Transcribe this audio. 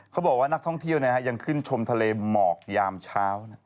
เขาบอกว่านักท่องเที่ยวยังขึ้นชมทะเลหมอกยามเช้า